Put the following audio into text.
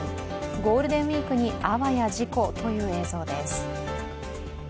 ゴールデンウイークにあわや事故という映像です。